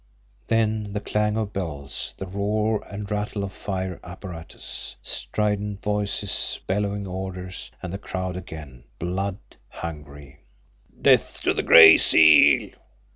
Then the clang of bells, the roar and rattle of fire apparatus, strident voices bellowing orders, and the crowd again, blood hungry: "Death to the Gray Seal!"